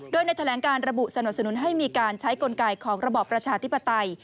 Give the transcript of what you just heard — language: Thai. โดยในแถลงการระบุสนับสนุนให้มีการใช้กลไกของระบอบประชาธิปไตย